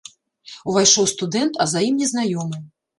Увайшоў студэнт, а за ім незнаёмы.